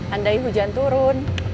andai hujan turun